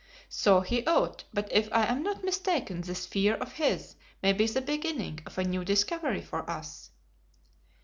"So he ought, but if I am not mistaken this fear of his may be the beginning of a new discovery for us."